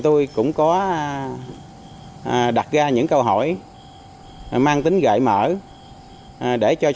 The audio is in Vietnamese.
trung tâm t november hai nghìn hai mươi một